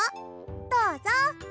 どうぞ。